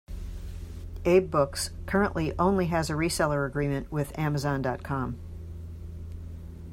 AbeBooks currently only has a reseller agreement with Amazon.com.